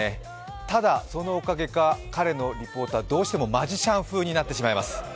ただ、そのおかげか彼のリポートはどうしてもマジシャン風になってしまします。